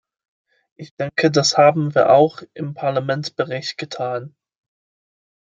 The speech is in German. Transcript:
Ich denke, das haben wir auch im Parlamentsbericht getan.